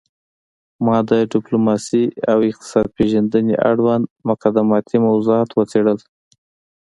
ما د ډیپلوماسي او اقتصاد پیژندنې اړوند مقدماتي موضوعات وڅیړل